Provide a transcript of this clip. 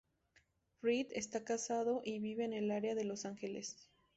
Reed está casado y vive en el área de Los Ángeles.